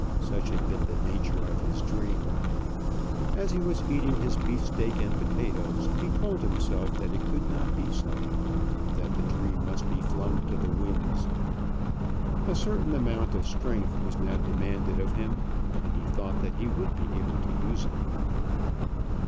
Such had been the nature of his dream. As he was eating his beef steak and potatoes, he told himself that it could not be so, and that the dream must be flung to the winds. A certain amount of strength was now demanded of him, and he thought that he would be able to use it.